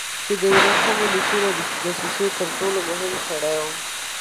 چې د ورېښمینو لیکونو د دسیسې تر ټولو مهم سړی و.